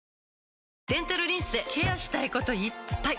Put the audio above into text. デンタルリンスでケアしたいこといっぱい！